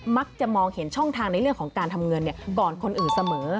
มักจะมองเห็นช่องทางในเรื่องของการทำเงินก่อนคนอื่นเสมอ